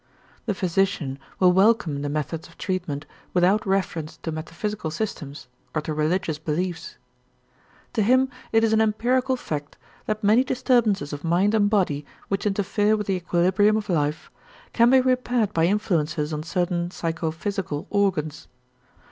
The physician will welcome the methods of treatment without reference to metaphysical systems or to religious beliefs. To him it is an empirical fact that many disturbances of mind and body which interfere with the equilibrium of life can be repaired by influences on certain psychophysical organs.